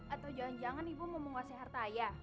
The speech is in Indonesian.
atau jangan jangan ibu mau menguasai harta ayah